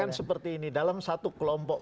kan seperti ini dalam satu kelompok